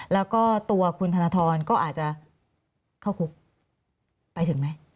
แล้วก็ตัวคุณธนทรก็อาจจะเข้าคุกไปถึงไหม